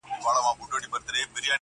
يو بل نظر وړلاندي کيږي تل,